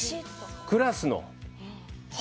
クラスの。